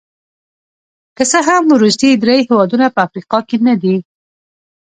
که څه هم وروستي درې هېوادونه په افریقا کې نه دي.